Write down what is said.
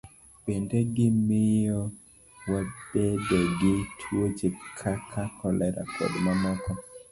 Bende, gimiyo wabedo gi tuoche kaka kolera, kod mamoko.